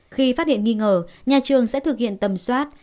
khi phát hiện nghi ngờ nhà trường sẽ thực hiện tầm soát